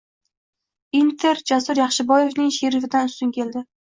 “Inter” Jasur Yaxshiboyevning “Sherif”idan ustun keldi